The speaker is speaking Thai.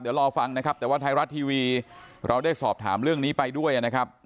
เดี๋ยวรอฟังนะครับแต่ว่าไทยรัฐทีวีเราได้สอบถามเรื่องนี้ไปด้วยนะครับ